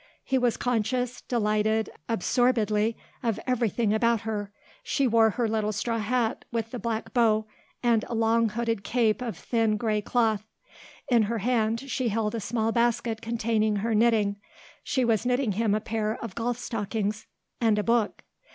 He was conscious, delightedly, absorbedly, of everything about her. She wore her little straw hat with the black bow and a long hooded cape of thin grey cloth. In her hand she held a small basket containing her knitting she was knitting him a pair of golf stockings and a book.